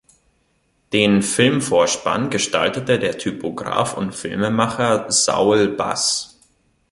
Den Filmvorspann gestaltete der Typograf und Filmemacher Saul Bass.